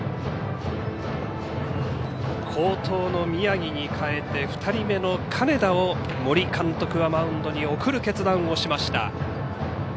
好投の宮城に代えて２人目の金田を森監督はマウンドに送る決断をしました。